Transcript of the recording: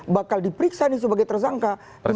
bakal diperiksa sebagai terjangka